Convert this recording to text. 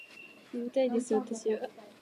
眠たいです私は